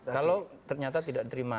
kalau ternyata tidak diterima